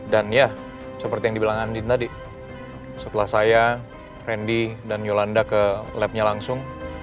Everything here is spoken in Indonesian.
dan ya seperti yang dibilang andin tadi setelah saya randy dan yolanda ke labnya langsung